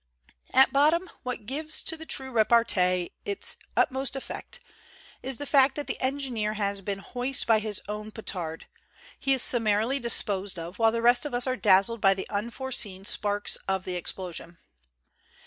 At bottom, what gives to the true repartee its utmost effect is the fact that the enginer has been hoist by his own petard; he is summarily disposed of while the rest of us are dazzled by the unforeseen sparks of the explosion.